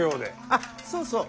あっそうそう！